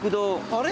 あれ？